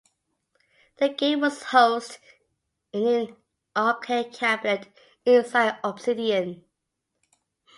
The game was housed in an arcade cabinet inside Obsidian.